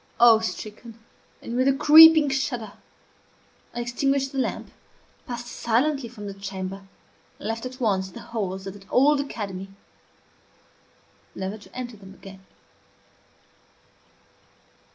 Awe stricken, and with a creeping shudder, I extinguished the lamp, passed silently from the chamber, and left, at once, the halls of that old academy, never to enter them again.